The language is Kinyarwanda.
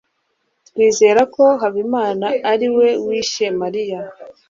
twizera ko habimana ari we wishe mariya